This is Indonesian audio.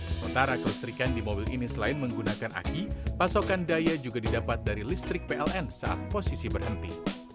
sementara kelistrikan di mobil ini selain menggunakan aki pasokan daya juga didapat dari listrik pln saat posisi berhenti